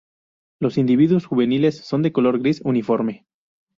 Los individuos juveniles son de color gris uniforme.